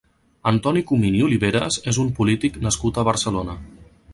Antoni Comín i Oliveres és un polític nascut a Barcelona.